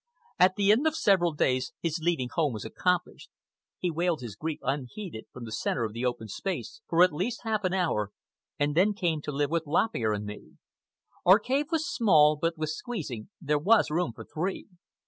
At the end of several days his leaving home was accomplished. He wailed his grief, unheeded, from the centre of the open space, for at least half an hour, and then came to live with Lop Ear and me. Our cave was small, but with squeezing there was room for three.